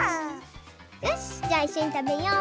よしじゃあいっしょにたべよう。